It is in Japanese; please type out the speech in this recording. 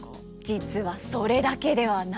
実はそれだけではないんです。